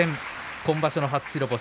今場所の初白星。